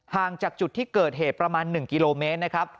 ห่างจากจุดที่เกิดเหตุประมาณ๑กิโลเมตรนะครับ